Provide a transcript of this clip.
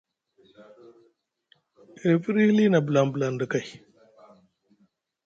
E firyi hili na blaŋblaŋ ɗa kay.